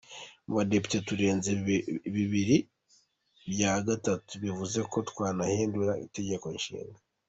Mu badepite turenze bibiri bya gatatu , bivuze ko twanahindura Itegeko Nshinga.